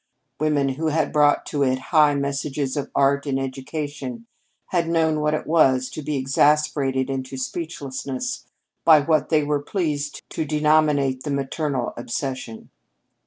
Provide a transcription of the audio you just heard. Women who had brought to it high messages of art and education had known what it was to be exasperated into speechlessness by what they were pleased to denominate the maternal obsession.